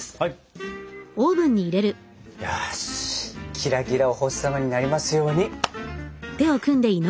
キラキラお星様になりますように！